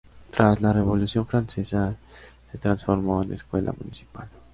Tras la Revolución francesa, se transformó en escuela municipal.